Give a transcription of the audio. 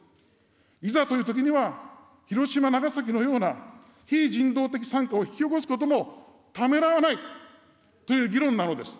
いざというときには、広島、長崎のような非人道的惨禍を引き起こすこともためらわないという議論なのです。